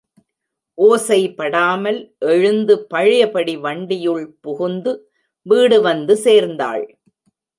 ஓசைபடாமல் எழுந்து பழையபடி வண்டியுள் புகுந்து வீடு வந்து சேர்ந்தாள்.